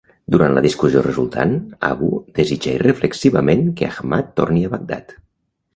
Durant la discussió resultant, Abu desitja irreflexivament que Ahmad torni a Bagdad.